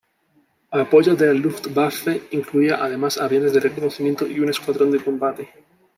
Apoyo de la Luftwaffe incluía además aviones de reconocimiento y un escuadrón de combate.